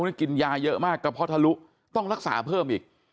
นี่กินยาเยอะมากกระเพาะทะลุต้องรักษาเพิ่มอีก